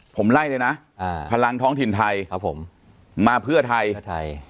ผมไล่เลยนะพลังท้องถิ่นไทยมาเพื่อไทย